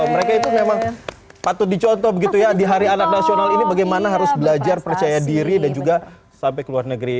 mereka itu memang patut dicontoh begitu ya di hari anak nasional ini bagaimana harus belajar percaya diri dan juga sampai ke luar negeri